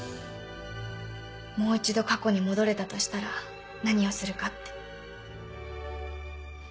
もう一度過去に戻れたとしたら何をするかって。